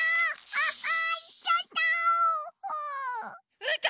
あっあいっちゃった！